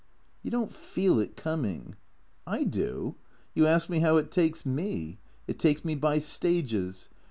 " You don't feel it coming." " I do. You asked me how it takes me. It takes me by stages.